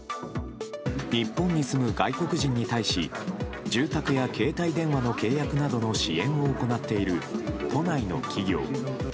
日本に住む外国人に対し住宅や携帯電話の契約などの支援を行っている都内の企業。